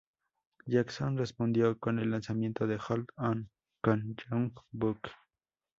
Jackson respondió con el lanzamiento de "Hold On" con Young Buck.